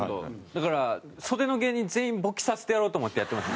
だから袖の芸人全員勃起させてやろうと思ってやってます。